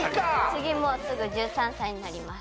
次もうすぐ１３歳になります。